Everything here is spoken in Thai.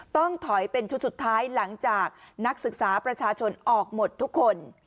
ต้องถอยเป็นชุดสุดท้ายหลังจากนักศึกษาประชาชนออกหมดทุกคน